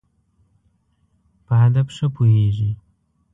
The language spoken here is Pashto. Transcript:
په هدف ښه پوهېږی.